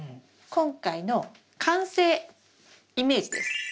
今回の完成イメージです。